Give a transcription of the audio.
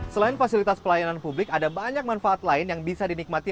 selain fasilitas pelayanan publik ada banyak manfaat lain yang bisa dinikmati